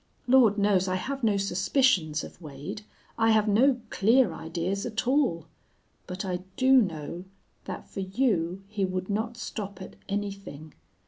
Lord knows I have no suspicions of Wade. I have no clear ideas at all. But I do know that for you he would not stop at anything.